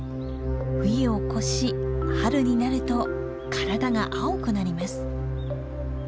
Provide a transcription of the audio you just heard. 冬を越し春になると体が青くなります。